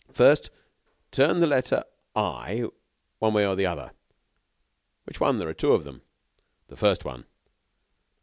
"First, turn the letter I one way or the other." "Which one? There are two of them." "The first one."